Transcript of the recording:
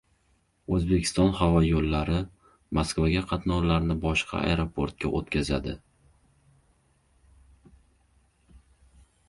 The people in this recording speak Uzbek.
«O‘zbekiston havo yo‘llari» Moskvaga qatnovlarni boshqa aeroportga o‘tkazadi